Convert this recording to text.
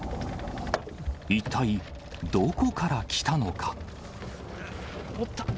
一体、どこから来たのか。